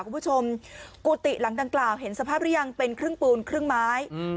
คุณผู้ชมกุฏิหลังดังกล่าวเห็นสภาพหรือยังเป็นครึ่งปูนครึ่งไม้